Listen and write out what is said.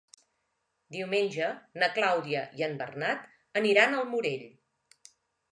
Diumenge na Clàudia i en Bernat aniran al Morell.